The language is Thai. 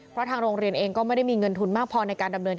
เพราะทางโรงเรียนเองก็ไม่ได้มีเงินทุนมากพอในการดำเนิน